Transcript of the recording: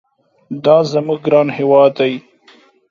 دا زموږ ګران هېواد دي.